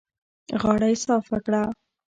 غاړه يې صافه کړه.